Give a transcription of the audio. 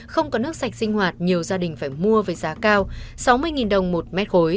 không có nước sạch sinh hoạt nhiều gia đình phải mua với giá cao sáu mươi đồng một mét khối